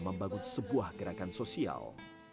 membangun sebuah gerakan sosial